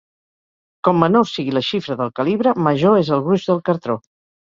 Com menor sigui la xifra del calibre, major és el gruix del cartó.